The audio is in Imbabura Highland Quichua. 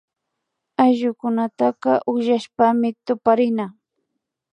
Ayllukunataka ukllashpami tuparina